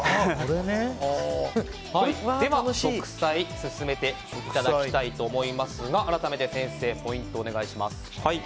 では、植栽を進めていただきたいと思いますが改めて先生、ポイントをお願いします。